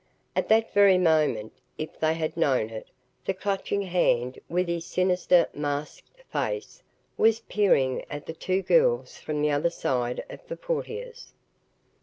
At that very moment, if they had known it, the Clutching Hand with his sinister, masked face, was peering at the two girls from the other side of the portieres.